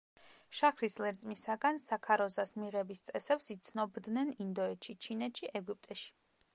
შაქრის ლერწმისაგან საქაროზას მიღების წესებს იცნობდნენ ინდოეთში, ჩინეთში, ეგვიპტეში.